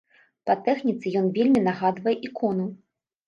Па тэхніцы ён вельмі нагадвае ікону.